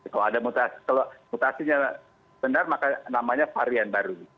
kalau ada kalau mutasinya benar maka namanya varian baru